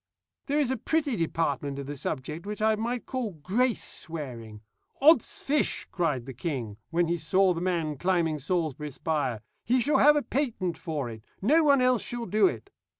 "There is a pretty department of the subject which I might call grace swearing. 'Od's fish,' cried the king, when he saw the man climbing Salisbury spire; 'he shall have a patent for it no one else shall do it.'